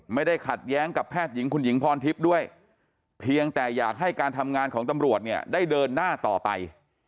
ไม่ได้ขัดแย้งกับแพทย์หญิงคุณหญิงพรทิพย์ด้วยเพียงแต่อยากให้การทำงานของตำรวจเนี่ยได้เดินหน้าต่อไป